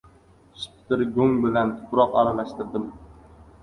Shiptir go‘ng bilan tuproq aralashtirdim.